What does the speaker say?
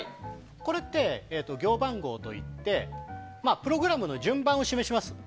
これは行番号といってプログラムの順番を示します。